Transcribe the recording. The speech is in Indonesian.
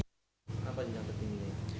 kenapa jenjang tertinggi